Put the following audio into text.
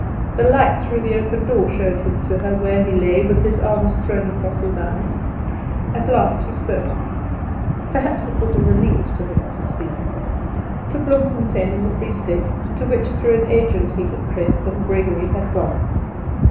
The light through the open door showed him to her, where he lay, with his arm thrown across his eyes. At last he spoke. Perhaps it was a relief to him to speak. To Bloemfontein in the Free State, to which through an agent he had traced them, Gregory had gone.